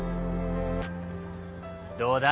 どうだい？